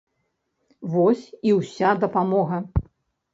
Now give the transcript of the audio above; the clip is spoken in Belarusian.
Вось і ўся дапамога.